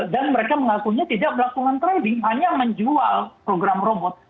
dan mereka mengakunya tidak berlakungan trading hanya menjual program robot